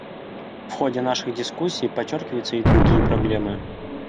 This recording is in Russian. В ходе наших дискуссий подчеркиваются и другие проблемы.